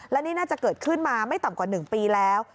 และนี่น่าจะเกิดขึ้นมาไม่ต่ำกว่า๑ปีแล้ว